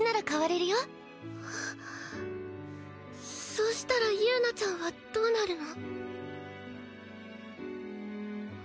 そうしたら友奈ちゃんはどうなるの？